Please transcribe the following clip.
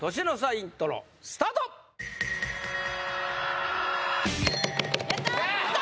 イントロスタートやった！